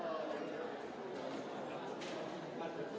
ขอบคุณครับ